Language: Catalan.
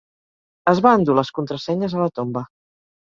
Es va endur les contrasenyes a la tomba.